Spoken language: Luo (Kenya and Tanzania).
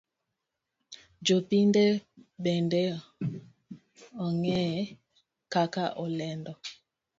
Jo pinje bende ong'eye kaka olendo.